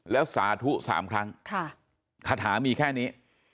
แล้วสาธุ๓ครั้งคาถามีแค่นี้